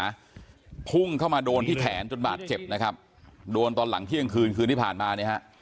พุ่งเข้ามาโดนที่แขนจนบาดเจ็บนะครับโดนตอนหลังเที่ยงคืนคืนที่ผ่านมาเนี่ยฮะ